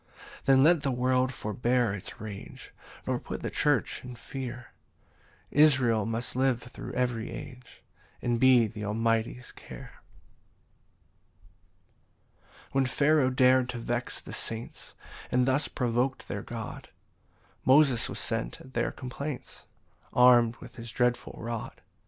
8 Then let the world forbear its rage, Nor put the church in fear: Israel must live thro' every age, And be th' Almighty's care.] PAUSE I. 9 When Pharaoh dar'd to vex the saints, And thus provok'd their God, Moses was sent at their complaints, Arm'd with his dreadful rod.